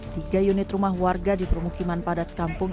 tiga unit rumah warga di permukiman padat kampung